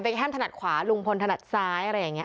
เป็นแฮมถนัดขวาลุงพลถนัดซ้ายอะไรอย่างนี้